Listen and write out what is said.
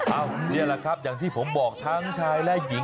นี่แหละครับอย่างที่ผมบอกทั้งชายและหญิง